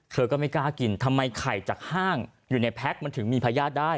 เธอก็ไม่กล้ากินทำไมไข่จากห้างอยู่ในแพ็คมันถึงมีพญาติได้